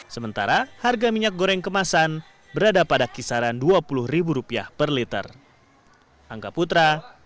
sementara harga minyak goreng kemasan berada pada kisaran dua puluh ribu rupiah per liter